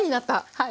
はい。